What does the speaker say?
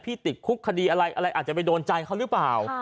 ติดคุกคดีอะไรอะไรอาจจะไปโดนใจเขาหรือเปล่า